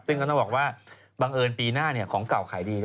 ซึ่งก็ต้องบอกว่าบังเอิญปีหน้าของเก่าขายดี